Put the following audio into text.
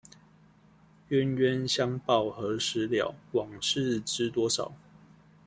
冤冤相報何時了，往事知多少